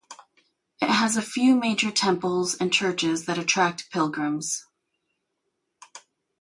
It has a few major temples and churches that attract pilgrims.